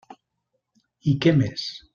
I què més?